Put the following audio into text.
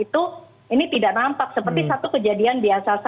ini tidak nampak seperti satu kejadian biasa saja